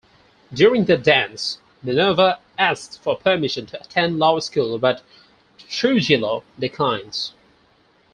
During their dance, Minerva asks for permission to attend law school, but Trujillo declines.